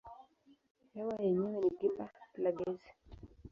Hewa yenyewe ni gimba la gesi.